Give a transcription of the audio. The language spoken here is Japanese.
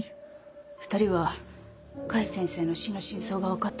２人は甲斐先生の死の真相が分かった